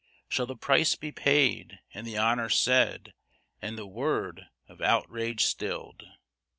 Shall the price be paid and the honor said, and the word of outrage stilled?